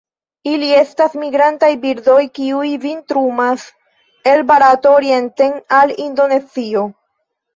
Ili estas migrantaj birdoj, kiuj vintrumas el Barato orienten al Indonezio.